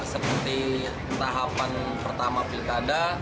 seperti tahapan pertama pilkada